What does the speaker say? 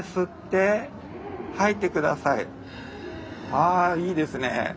あいいですね。